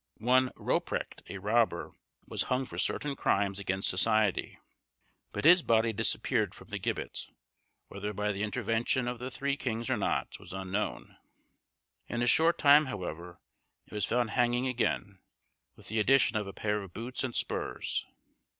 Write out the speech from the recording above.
One Roprecht, a robber, was hung for certain crimes against society, but his body disappeared from the gibbet, whether by the intervention of the Three Kings or not, was unknown. In a short time, however, it was found hanging again, with the addition of a pair of boots and spurs.